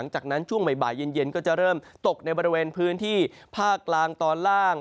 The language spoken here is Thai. จากนั้นช่วงบ่ายเย็นก็จะเริ่มตกในบริเวณพื้นที่ภาคกลางตอนล่าง